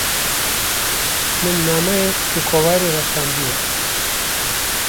min nameyek ji kovarê re şandiye.